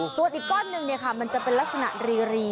ส่วนอีกก้อนนึงเนี่ยค่ะมันจะเป็นลักษณะรีรี